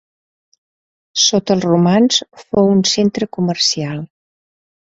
Sota els romans, fou un centre comercial.